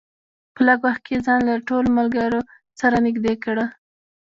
په لږ وخت کې یې ځان له ټولو ملګرو سره نږدې کړی.